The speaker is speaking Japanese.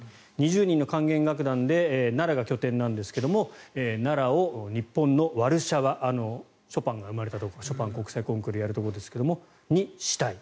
２０人の管弦楽団で奈良が拠点なんですが奈良を日本のワルシャワショパンが生まれたところショパン国際ピアノコンクールをやるところにしたい。